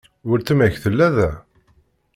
Weltma-k tella da?